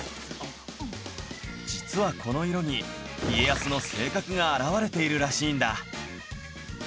実はこの色に家康の性格が表れているらしいんだ